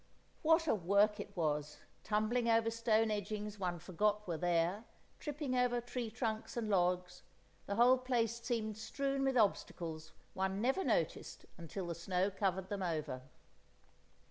What a work it was, tumbling over stone edgings one forgot were there, tripping over tree trunks and logs—the whole place seemed strewn with obstacles one never noticed until the snow covered them over.